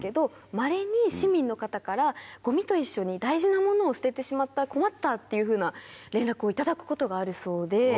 まれに市民の方からごみと一緒に大事なものを捨ててしまった困ったっていうふうな連絡を頂くことがあるそうで。